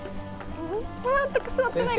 全く座ってない。